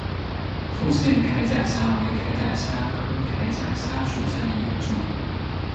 复线铠甲虾为铠甲虾科铠甲虾属下的一个种。